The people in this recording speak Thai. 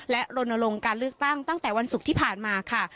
และลนลงการเลือกตั้งตั้งแต่วันศุกร์ที่ผ่านมาค่ะ